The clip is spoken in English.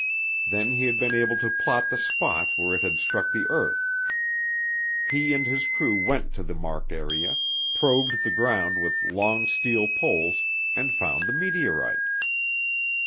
Then he had been able to plot the spot where it had struck the earth. He and his crew went to the marked area, probed the ground with long steel poles, and found the meteorite.